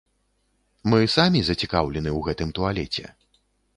Мы самі зацікаўлены ў гэтым туалеце.